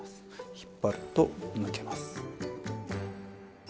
引っ張ると抜けます。